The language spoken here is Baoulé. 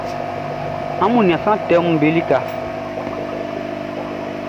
Amun nian sran tɛʼm be lika.